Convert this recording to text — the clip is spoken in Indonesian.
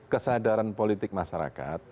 kesadaran politik masyarakat